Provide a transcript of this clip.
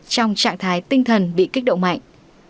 trong trạng thái tinh thần bị kích động mạnh